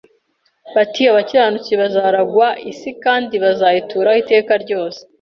hati abakiranutsi bazaragwa isi kandi bazayituraho iteka ryose